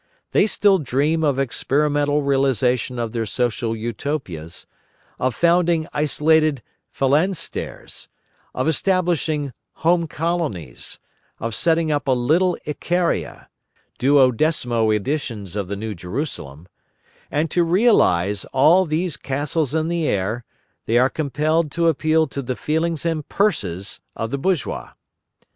They still dream of experimental realisation of their social Utopias, of founding isolated "phalansteres," of establishing "Home Colonies," of setting up a "Little Icaria"—duodecimo editions of the New Jerusalem—and to realise all these castles in the air, they are compelled to appeal to the feelings and purses of the bourgeois.